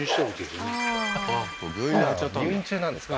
今は入院中なんですか？